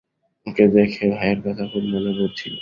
ওকে দেখে, ভাইয়ের কথা খুব মনে পড়ছিল।